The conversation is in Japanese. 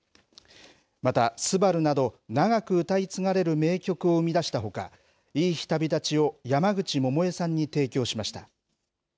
また昂など、長く歌い継がれる名曲を生み出したほか、いい日旅立ちを山口百恵さんに提供しました。